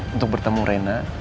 untuk bertemu rena